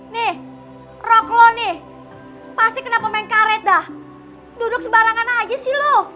nih rok lo nih pasti kena pemain karet dah duduk sembarangan aja sih lo